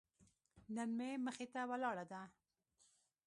نن مې مخې ته ولاړه ده.